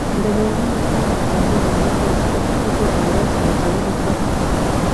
د میرمنو کار او تعلیم مهم دی ځکه چې ښځو باور زیاتولو مرسته ده.